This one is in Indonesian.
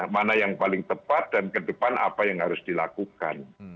mana yang paling tepat dan ke depan apa yang harus dilakukan